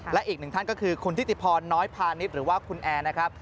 และอีกหนึ่งท่านก็คือคุณทิติพรน้อยพาณิชย์หรือว่าคุณแอร์นะครับ